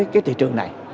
cái thị trường này